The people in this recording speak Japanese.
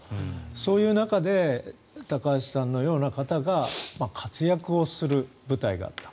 そういう中で高橋さんのような方が活躍をする舞台があった。